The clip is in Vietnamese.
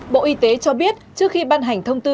bộ y tế cho biết trước khi ban hành thông tư